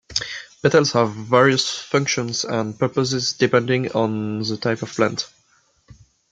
Petals have various functions and purposes depending on the type of plant.